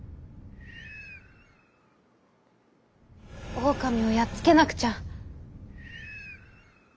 「オオカミをやっつけなくちゃ」。